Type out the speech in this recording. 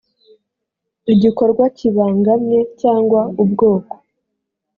igikorwa kibangamye cyangwa ubwoko